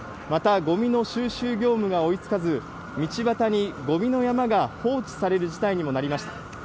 また、ごみの収集業務が追いつかず、道端にごみの山が放置される事態にもなりました。